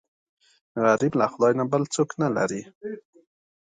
غریب له خدای نه بل څوک نه لري